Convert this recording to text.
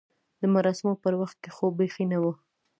د مراسمو پر وخت کې خو بیخي نه و.